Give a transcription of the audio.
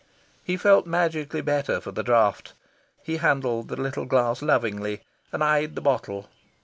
He felt magically better for the draught. He handled the little glass lovingly, and eyed the bottle.